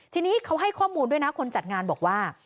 ทีนี้เขาให้ข้อมูลด้วยนะคนจัดงานบอกว่า